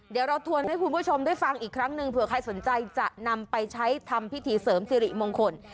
เดี๋ยวเราทวนให้คุณผู้ชมได้ฟังอีกครั้งหนึ่งเผื่อใครสนใจจะนำไปใช้ทำพิธีเสริมสิริมงคล